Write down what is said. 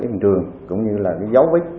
ở trường cũng như là cái dao vết